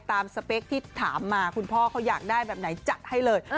สเปคที่ถามมาคุณพ่อเขาอยากได้แบบไหนจัดให้เลย